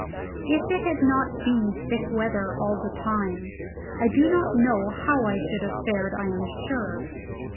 If it had not been thick weather all the time, I do not know how I should have fared, I am sure.